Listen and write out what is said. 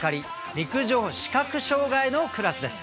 陸上視覚障がいのクラスです。